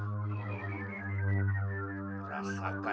bu mereka sudah jalin